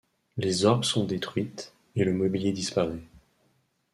Les orgues sont détruites et le mobilier disparaît.